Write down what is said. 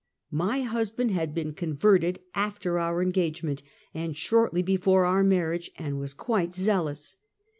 My husband had been con verted after our engagement and shortly before our marriage, and was quite zealous.